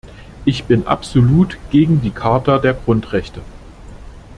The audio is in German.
Ich bin absolut gegen die Charta der Grundrechte.